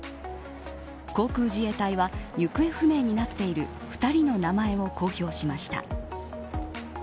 航空自衛隊は行方不明になっている２人の名前を公表しました。